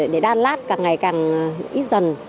để đà lạt càng ngày càng ít dần